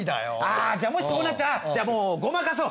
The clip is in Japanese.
あじゃあもしそうなったらじゃあもうごまかそう。